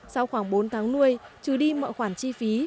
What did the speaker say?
sau khoảng bốn tháng nuôi trừ đi mọi khoản chi phí